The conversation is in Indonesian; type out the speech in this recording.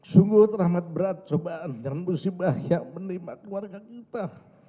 sungguh rahmat berat cobaan dan musibah yang menimba keluarga kita